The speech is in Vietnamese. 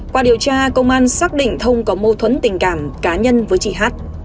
qua điều tra công an xác định thông có mâu thuẫn tình cảm cá nhân với chị hát